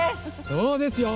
そうですよ。